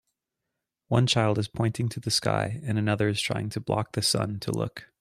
One child is pointing to the sky and another is trying to block the sun to look